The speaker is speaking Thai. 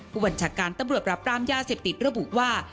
ผู้บัญชาการตำรวจปรับปรามยาเสพติดระบุว่า